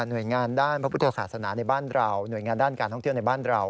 หน่วยงานด้านพระพุทธศาสนาในบ้านเราหน่วยงานด้านการท่องเที่ยวในบ้านเรา